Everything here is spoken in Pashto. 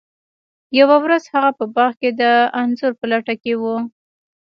یوه ورځ هغه په باغ کې د انځر په لټه کې و.